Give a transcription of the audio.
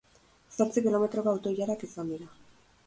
Zortzi kilometroko auto-ilarak izan dira.